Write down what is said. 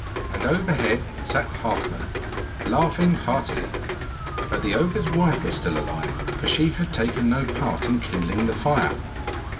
And overhead sat Halfman, laughing heartily. But the ogre's wife was still alive, for she had taken no part in kindling the fire.